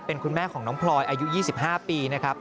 เป็นคุณแม่ของน้องพลอยอายุ๒๕ปีนะครับ